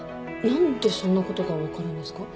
何でそんなことが分かるんですか？